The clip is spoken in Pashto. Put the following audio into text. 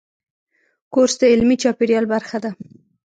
کورس د علمي چاپېریال برخه ده.